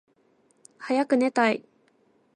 はやくねたい